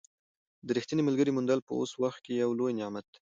د ریښتیني ملګري موندل په اوس وخت کې یو لوی نعمت دی.